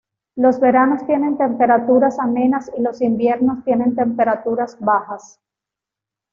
Los veranos tienen temperaturas amenas y los inviernos tienen temperaturas bajas.